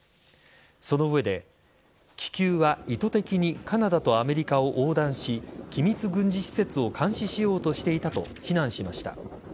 その上で気球は意図的にカナダとアメリカを横断し機密軍事施設を監視しようとしていたと非難しました。